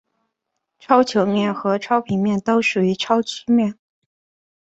超球面和超平面都属于超曲面。